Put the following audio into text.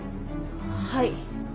はい。